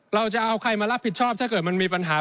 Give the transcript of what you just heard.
เราจะเอาใครมารับผิดชอบถ้าเกิดมันมีปัญหา